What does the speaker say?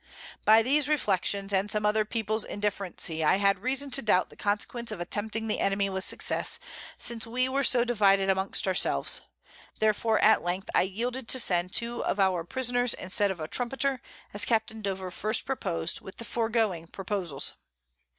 By these Reflections, and some other Peoples Indifferency, I had reason to doubt the Consequence of attempting the Enemy with Success, since we were so divided amongst our selves; therefore at length I yielded to send two of our Prisoners, instead of a Trumpeter, as Capt. Dover first propos'd, with the foregoing Proposals.